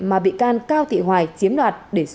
mà bị can cao thị hoài chiếm đoạt